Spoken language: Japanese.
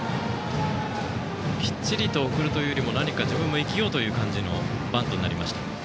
きっちりと送るというよりも何か自分も生きようという感じのバントになりました。